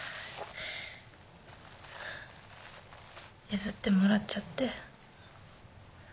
譲ってもらっちゃって。